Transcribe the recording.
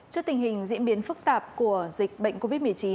trước tình hình diễn biến phức tạp của dịch bệnh covid một mươi chín